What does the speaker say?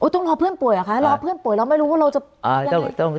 ต้องรอเพื่อนป่วยเหรอคะรอเพื่อนป่วยเราไม่รู้ว่าเราจะ